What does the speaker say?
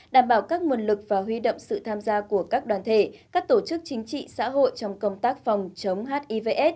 đảm bảo các nguồn lực và huy động sự tham gia của các đoàn thể các tổ chức chính trị xã hội trong công tác phòng chống hivs